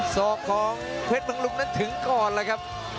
ศอกของเพชรเมืองลุงนั้นถึงก่อนแล้วครับ